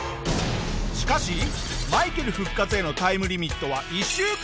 しかしマイケル復活へのタイムリミットは１週間。